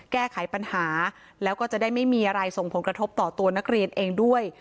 แก้ไขปัญหาแล้วก็จะได้ไม่มีอะไรส่งผลกระทบต่อตัวนักเรียนเองด้วย